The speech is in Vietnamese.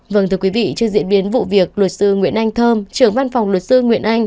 vâng thưa quý vị trước diễn biến vụ việc luật sư nguyễn anh thơm trưởng văn phòng luật sư nguyễn anh